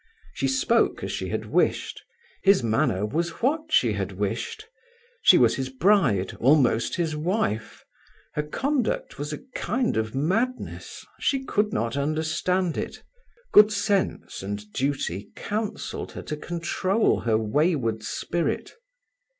He spoke as she had wished, his manner was what she had wished; she was his bride, almost his wife; her conduct was a kind of madness; she could not understand it. Good sense and duty counselled her to control her wayward spirit.